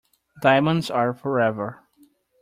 Diamonds are forever.